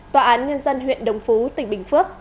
tòa án nhân dân huyện đồng phú tỉnh bình phước